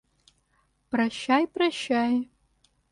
Прощай, прощай.